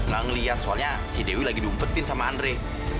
gak ngeliat soalnya si dewi lagi diumpetin sama andre